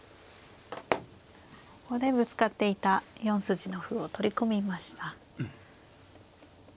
ここでぶつかっていた４筋の歩を取り込みました。